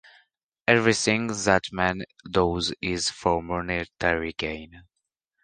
Everything that man does is for monetary gain.